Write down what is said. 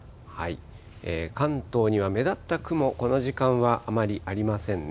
関東には目立った雲、この時間はあまりありませんね。